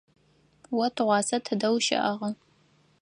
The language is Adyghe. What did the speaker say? О тыгъуасэ тыдэ ущыӏагъа?